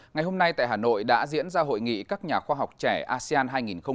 ngày hôm nay tại hà nội đã diễn ra hội nghị các nhà khoa học trẻ asean hai nghìn hai mươi